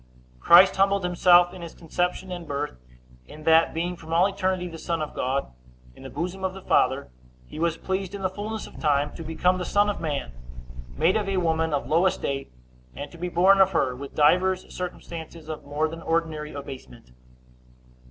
Christ humbled himself in his conception and birth, in that, being from all eternity the Son of God, in the bosom of the Father, he was pleased in the fullness of time to become the son of man, made of a woman of low estate, and to be born of her; with divers circumstances of more than ordinary abasement.